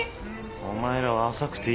お前らは浅くていいな。